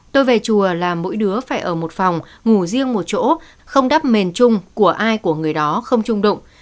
tôi về chùa là mỗi đứa phải ở một phòng ngủ riêng một chỗ không đắp mền chung của ai của người đó không chung động